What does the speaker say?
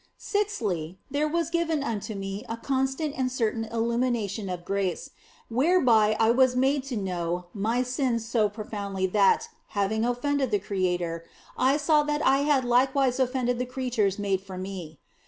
Sixthly, there was given unto me a constant and certain illumination of grace, whereby I was made to know my sins so profoundly that, having offended the Creator, I saw that I had likewise offended the creatures made for me.